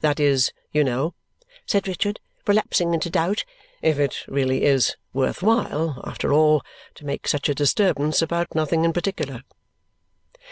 That is, you know," said Richard, relapsing into doubt, "if it really is worth while, after all, to make such a disturbance about nothing particular!"